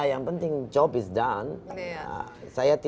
yang penting kerja selesai